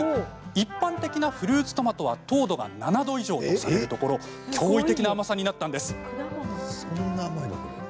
一般的なフルーツトマトは糖度が７度以上とされるところ驚異的な甘さになったのです。